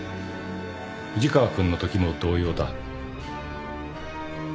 藤川君のときも同様だ。